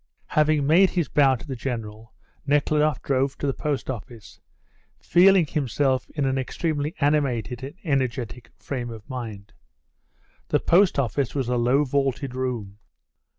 Having made his bow to the General, Nekhludoff drove to the post office, feeling himself in an extremely animated and energetic frame of mind. The post office was a low vaulted room.